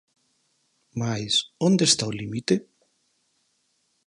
Mais, onde está o límite?